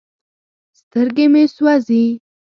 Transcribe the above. سترګې مې سوزي ـ